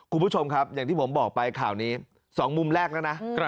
คุณผู้ชมครับอย่างที่ผมบอกไปข่าวนี้๒มุมแรกแล้วนะ